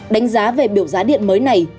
đánh giá về biểu giá điện mới này